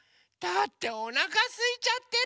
だっておなかすいちゃってるんだもの。